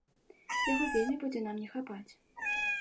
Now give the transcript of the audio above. Яго вельмі будзе нам не хапаць.